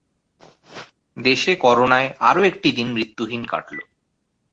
দেশে করোনায় আরও একটি দিন মৃত্যুহীন কাটল।